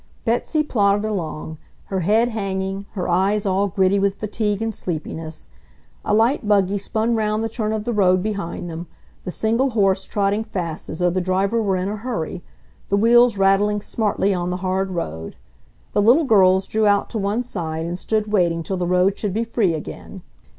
Betsy plodded along, her head hanging, her eyes all gritty with fatigue and sleepiness. A light buggy spun round the turn of the road behind them, the single horse trotting fast as though the driver were in a hurry, the wheels rattling smartly on the hard road. The little girls drew out to one side and stood waiting till the road should be free again.